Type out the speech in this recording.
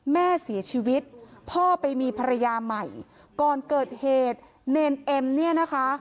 แม่เสียชีวิตพ่อไปมีภรรยาใหม่ก่อนเกิดเหตุเนรเอ็มเนี่ยนะคะ